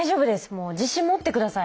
もう自信持って下さい。